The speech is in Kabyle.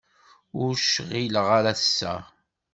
Ur cɣileɣ ara ass-a.